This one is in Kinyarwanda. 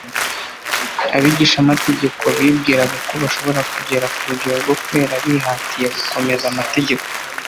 Abigishamategeko bibwiraga ko bashobora kugera ku rugero rwo kwera bihatiye gukomeza amategeko;